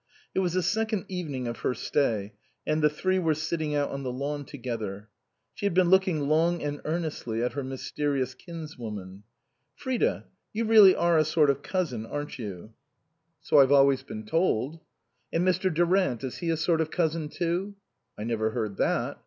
It was the second evening of her stay, and the three were sitting out on the lawn together. She had been looking long and earnestly at her mysterious kinswoman. " Frida, you really are a sort of cousin, aren't you?" 101 THE COSMOPOLITAN " So I've always been told." "And Mr. Durant, is he a sort of cousin, too?" " I never heard that."